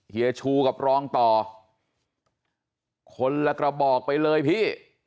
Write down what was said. เฮีชูกับรองต่อคนละกระบอกไปเลยพี่